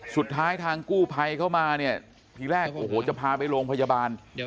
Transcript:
สุดท้ายทางกู้ภัยเข้ามาเนี่ยทีแรกโอ้โหจะพาไปโรงพยาบาล